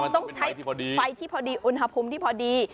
ต้องใช้ไฟที่พอดีอุณหภูมิที่พอดี